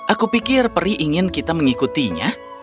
aku pikir peri ingin kita mengikutinya